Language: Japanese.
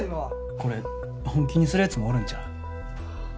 これ本気にするやつもおるんちゃう？